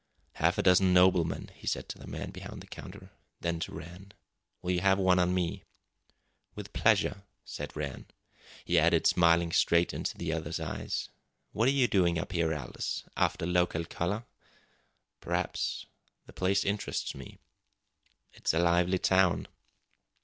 "Half a dozen 'Noblemen,'" he said to the man behind the counter; then, to Rann: "Will you have one on me?" "With pleasure," said Rann. He added, smiling straight into the other's eyes, "What are you doing up here, Aldous? After local colour?" "Perhaps. The place interests me." "It's a lively town."